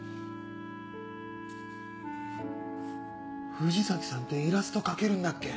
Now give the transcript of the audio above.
藤崎さんってイラスト描けるんだっけ？